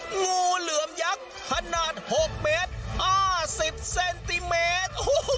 งูเหลือมยักษ์ขนาด๖เมตร๕๐เซนติเมตร